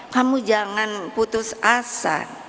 kamu jangan putus asa